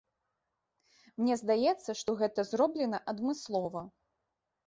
Мне здаецца, што гэта зроблена адмыслова.